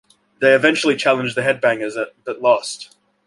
They eventually challenged the Headbangers at but lost.